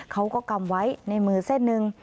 กำไว้ในมือเส้นหนึ่ง